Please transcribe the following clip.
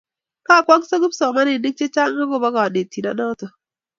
Kokwong'so kipsomaninik chechang' akopo kanetindet notok